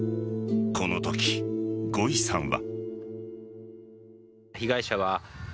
このとき、ゴイさんは。